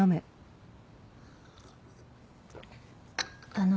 あの。